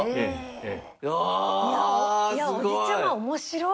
おじちゃま面白い。